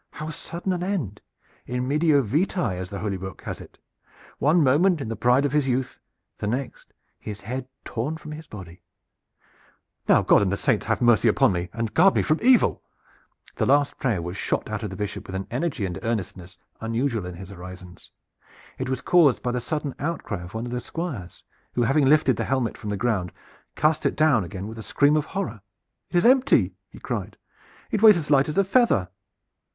How sudden an end! In medio vitae, as the Holy Book has it one moment in the pride of his youth, the next his head torn from his body. Now God and his saints have mercy upon me and guard me from evil!" The last prayer was shot out of the Bishop with an energy and earnestness unusual in his orisons. It was caused by the sudden outcry of one of the Squires who, having lifted the helmet from the ground, cast it down again with a scream of horror. "It is empty!" he cried. "It weighs as light as a feather."